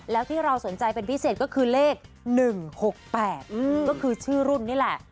แล้วที่เราสนใจเป็นพิเศษก็คือเลข๑๖๘ก็คือชื่อรุ่นนี่แหละ